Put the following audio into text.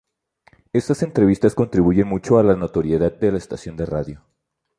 Estas entrevistas contribuyen mucho a la notoriedad de la estación de radio.